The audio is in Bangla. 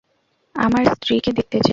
আমার স্ত্রীকে দেখতে চাই।